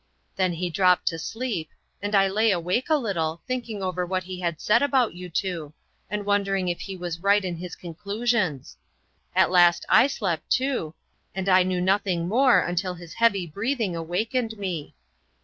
Then he dropped to sleep, and I lay awake a little, thinking over what he had said about you two, and wondering if he was right in his conclusions. At last I slept, too, and I knew nothing more until his heavy breathing awakened me.